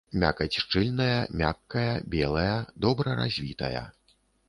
Мякаць шчыльная, мяккая, белая, добра развітая.